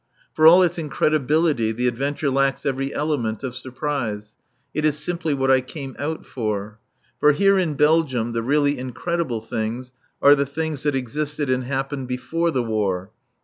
For all its incredibility, the adventure lacks every element of surprise. It is simply what I came out for. For here in Belgium the really incredible things are the things that existed and happened before the War.